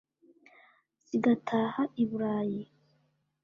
Zigataha i Bulayi,